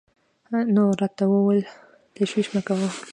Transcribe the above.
نو راته وويل تشويش مه کړه.